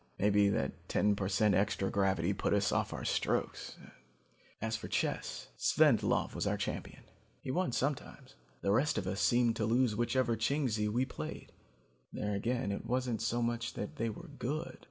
Maybe that ten per cent extra gravity put us off our strokes. As for chess, Svendlov was our champion. He won sometimes. The rest of us seemed to lose whichever Chingsi we played. There again it wasn't so much that they were good.